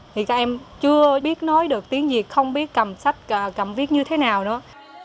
thì các em chưa biết nói được tiếng việt không biết cầm sách cầm viết như thế nào nữa